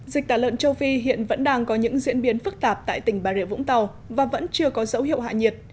dịch tả lợn châu phi hiện vẫn đang có những diễn biến phức tạp tại tỉnh bà rịa vũng tàu và vẫn chưa có dấu hiệu hạ nhiệt